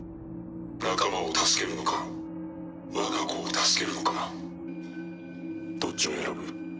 仲間を助けるのかわが子を助けるのかどっちを選ぶ？